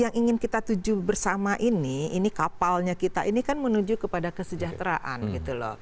yang ingin kita tuju bersama ini ini kapalnya kita ini kan menuju kepada kesejahteraan gitu loh